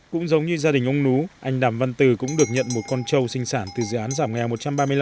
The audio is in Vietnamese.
cũng giống như gia đình ông nú anh đàm văn từ cũng được nhận một con trâu sinh sản từ dự án giảm nghèo một trăm ba mươi năm